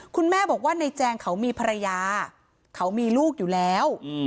คุณแม่บอกว่าในแจงเขามีภรรยาเขามีลูกอยู่แล้ว